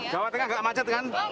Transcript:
jawa tengah agak macet kan